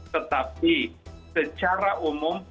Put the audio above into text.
tetapi secara umum